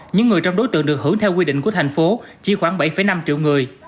những người trong đối tượng được hưởng theo quy định của thành phố chỉ khoảng bảy năm triệu người